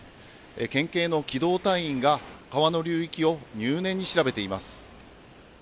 県警の機動隊員が川の流域を入念に調べています。